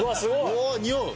おおにおう！